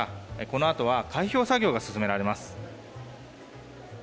このあとは開票作業が進められます。